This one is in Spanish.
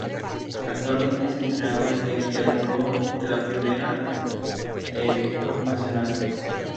Actualmente es entrenador de Guillermo Brown de la Primera B Nacional.